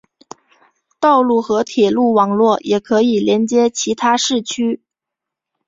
道路和铁路网络也可以连接其他市区。